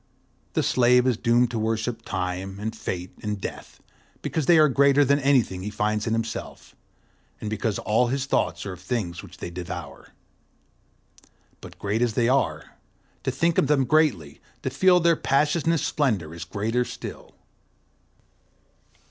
The slave is doomed to worship Time and Fate and Death, because they are greater than anything he finds in himself, and because all his thoughts are of things which they devour. But, great as they are, to think of them greatly, to feel their passionless splendor, is greater still.